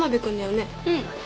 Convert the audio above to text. うん。